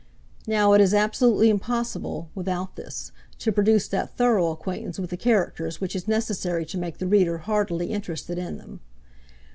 Now it is absolutely impossible, without this, to produce that thorough acquaintance with the characters which is necessary to make the reader heartily interested in them.